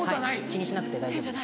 気にしなくて大丈夫です